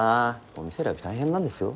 お店選び大変なんですよ。